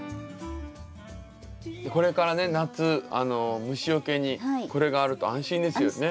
これからね夏虫よけにこれがあると安心ですよね。